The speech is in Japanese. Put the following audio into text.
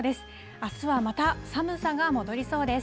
あすはまた寒さが戻りそうです。